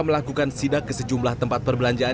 melakukan sidak ke sejumlah tempat perbelanjaan